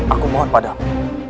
aku mohon padamu